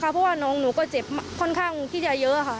เพราะว่าน้องหนูก็เจ็บค่อนข้างที่จะเยอะค่ะ